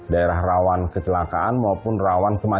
daerah rawan kecelakaan dan kecelakaan yang terjadi di daerah daerah ini